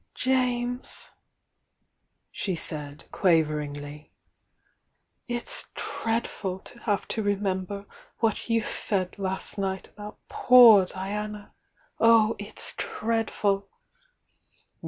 "James," she said, quaveringly, "it's dreadful to have to remember what you said last nig^t about poor Diana!— oh, it's dreadful!"